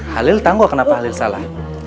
halil tahu kok kenapa halil salah